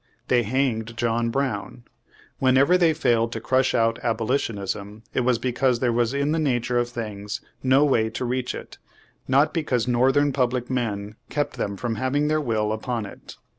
They hanged John Brown. Whenever they failed to crush out abolitionism, it was because there was in the nature of things no way to reach it, not because Northern public men kept them from having their will upon it."